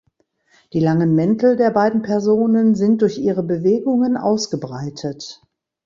Die langen Mäntel der beiden Personen sind durch ihre Bewegungen ausgebreitet.